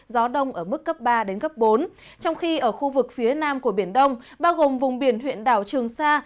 gió đông ở mức cấp ba đến cấp bốn trong khi ở khu vực phía nam của biển đông bao gồm vùng biển huyện đảo trường sa